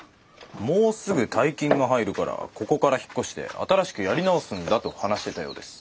「もうすぐ大金が入るからここから引っ越して新しくやり直すんだ」と話してたようです。